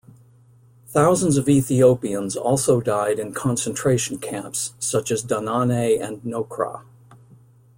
Thousands of Ethiopians also died in concentration camps such as Danane and Nocra.